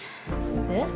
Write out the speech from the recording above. えっ？